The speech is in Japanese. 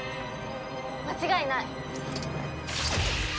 間違いない。